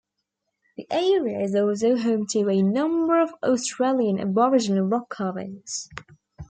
The area is also home to a number of Australian Aboriginal rock carvings.